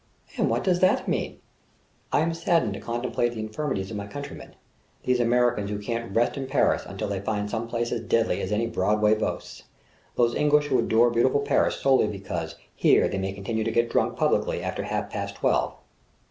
"And what does that mean?" "I am saddened to contemplate the infirmities of my countrymen, these Americans who can't rest in Paris until they find some place as deadly as any Broadway boasts, these English who adore beautiful Paris solely because here they may continue to get drunk publicly after half past twelve!"